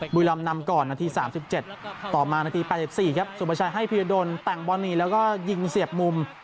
บุรีรำนำก่อนนาที๓๗ต่อมานาที๘๔ครับสุประชัยให้พีรดลแต่งบอลหนีแล้วก็ยิงเสียบมุม